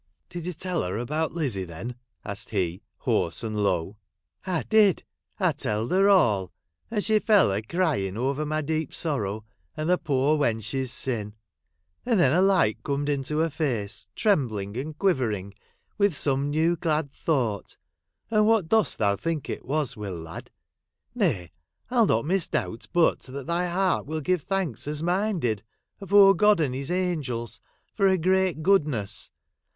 ' Did you tell her about Lizzie, then ?' asked he, hoarse and low. " I did, I telled her all ; and she fell a crying over my deep sorrow, and the poor wench's sin. And then a light corned into her face, trembling and quivering with some new glad thought ; and what dost thou think it was, Will, lad 1 Nay, I '11 not misdoubt but that thy heart will give thanks as mine did, afore God and His angels, for her great good ness.